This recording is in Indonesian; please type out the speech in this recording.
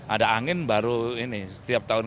ada angin baru ini setiap tahun